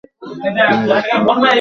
তিনি বাঁকুড়ায় চলে যান।